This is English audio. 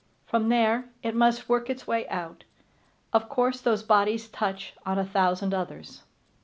From there it must work its way out. Of course those bodies touch on a thousand others.